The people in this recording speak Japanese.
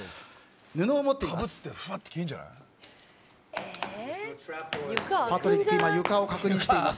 布を持っています。